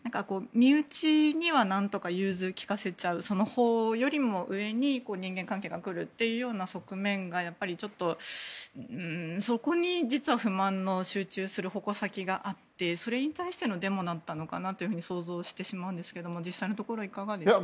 身内には何とか融通を利かせちゃう法よりも上に人間関係が来るという側面がそこに実は不満が集中する矛先があってそれに対してのデモだったのかなというふうに想像してしまうんですけど実際のところはいかがでしょうか。